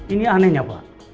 ini anehnya pak